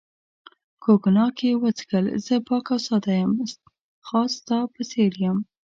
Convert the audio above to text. کوګناک یې وڅښل، زه پاک او ساده یم، خاص ستا په څېر یم.